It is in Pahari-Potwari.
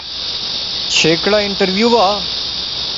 چھیکڑا انٹرویو وہا